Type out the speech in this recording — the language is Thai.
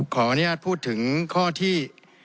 ขออนุญาตพูดถึงข้อที่